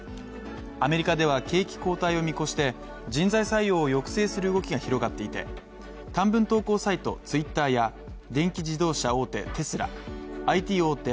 アメリカでは景気後退を見越して人材採用を抑制する動きが広がっていて短文投稿サイトＴｗｉｔｔｅｒや電気自動車大手テスラＩＴ大手